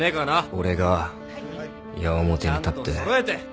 俺が矢面に立って。